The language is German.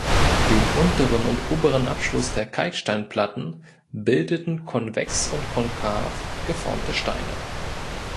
Den unteren und oberen Abschluss der Kalksteinplatten bildeten konvex und konkav geformte Steine.